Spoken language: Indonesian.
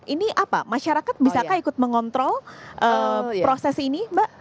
ini apa masyarakat bisakah ikut mengontrol proses ini mbak